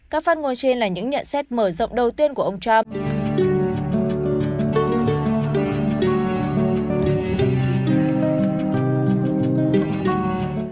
các phát ngôn trên là những nhận xét mở rộng đầu tiên của ông trump